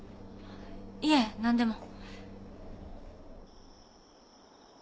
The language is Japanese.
いえ何でも。